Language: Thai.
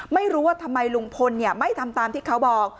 ไม่รู้ว่าทำไมลุงพลไม่ทำตามที่เขาบอก